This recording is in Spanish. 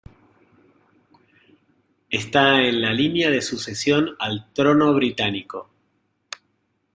Está en la línea de sucesión al trono británico.